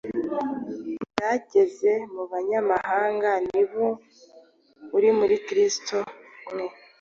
bwageze mu banyamahanga; ni bwo Kristo uri muri mwe,